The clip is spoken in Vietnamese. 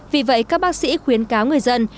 vì vậy các bác sĩ khuyến cáo người dân